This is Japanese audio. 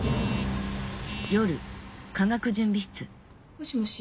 もしもし？